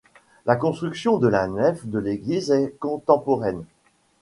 La construction de la nef de l'église est contemporaine.